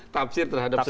tafsir terhadap sebuah